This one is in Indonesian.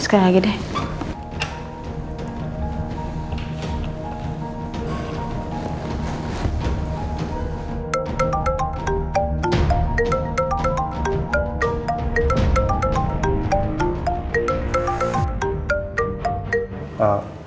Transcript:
sekarang lagi deh